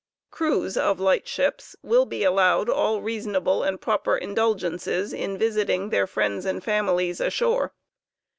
Crews of lightships will be allowed all reasonable and proper indulgences Regulations in visiting theit Mends and families ashore.